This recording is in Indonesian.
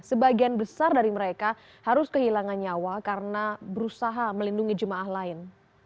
sebagian besar dari mereka harus kehilangan nyawa karena berusaha melindungi jemaah lain